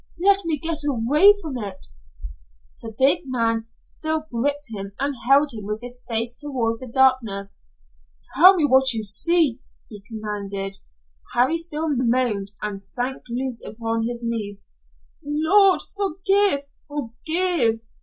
Let me get away from it." The big man still gripped him and held him with his face toward the darkness. "Tell me what you see," he commanded. Still Harry moaned, and sank upon his knees. "Lord, forgive, forgive!"